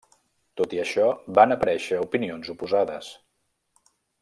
Tot i això, van aparèixer opinions oposades.